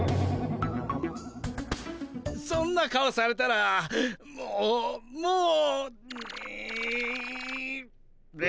そんな顔されたらもうもうんんんべ。